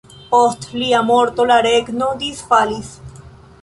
Post lia morto la regno disfalis.